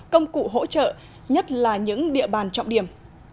công cụ hỗ trợ nhất là những địa bàn trọng điểm